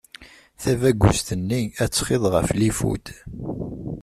Tabagust-nni, ad txiḍ ɣef lifud.